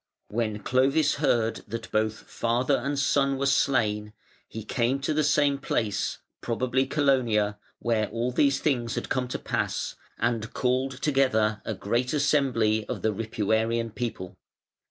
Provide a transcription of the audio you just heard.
When Clovis heard that both father and son were slain, he came to the same place (probably Colonia) where all these things had come to pass and called together a great assembly of the Ripuarian people.